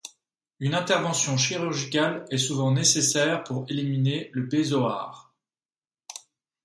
Une intervention chirurgicale est souvent nécessaire pour éliminer le bézoard.